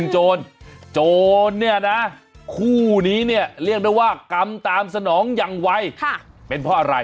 โจรคู่นี้เนี่ยเรียกได้ว่ากำตามสนองอย่างวัยเป็นเพราะอะไร